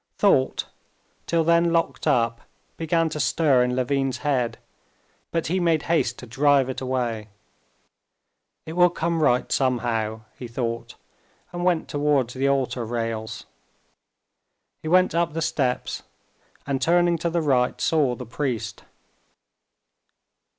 Thought, till then locked up, began to stir in Levin's head, but he made haste to drive it away. "It will come right somehow," he thought, and went towards the altar rails. He went up the steps, and turning to the right saw the priest.